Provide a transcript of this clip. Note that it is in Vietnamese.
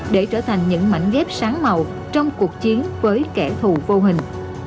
để trở thành những mảnh ghép sáng màu trong cuộc chiến với kẻ thù vô hình